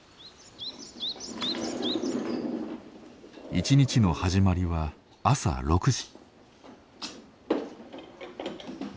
一日の始まりは朝６時。